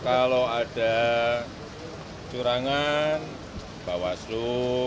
kalau ada curangan bawa slu